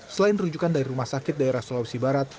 selain rujukan dari rumah sakit daerah sulawesi barat